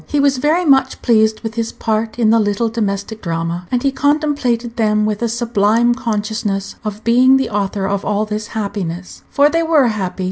He was very much pleased with his part in the little domestic drama, and he contemplated them with a sublime consciousness of being the author of all this happiness; for they were happy.